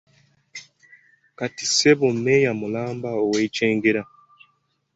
Kati ssebo mmeeya mulamba ow’e Kyengera.